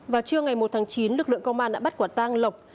vào trưa ngày một tháng chín lực lượng công an đã bắt quả tang lộc